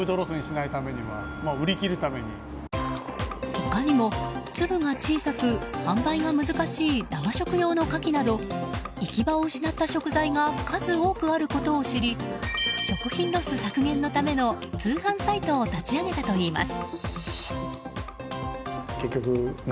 他にも、粒が小さく販売が難しい生食用のカキなど行き場を失った食材が数多くあることを知り食品ロス削減のための通販サイトを立ち上げたといいます。